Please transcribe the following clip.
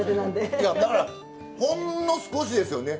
いやだからほんの少しですよね。